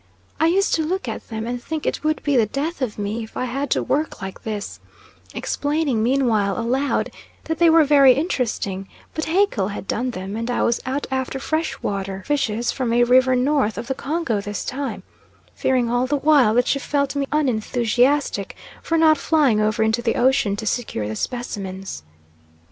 I used to look at them, and think it would be the death of me if I had to work like this, explaining meanwhile aloud that "they were very interesting, but Haeckel had done them, and I was out after fresh water fishes from a river north of the Congo this time," fearing all the while that she felt me unenthusiastic for not flying over into the ocean to secure the specimens.